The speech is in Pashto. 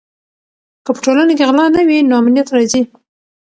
که په ټولنه کې غلا نه وي نو امنیت راځي.